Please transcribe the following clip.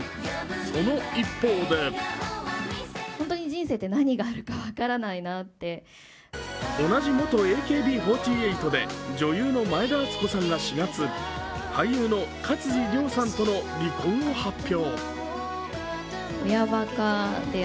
その一方で同じ元ＡＫＢ４８で女優の前田敦子さんが俳優の勝地涼さんとの離婚を発表。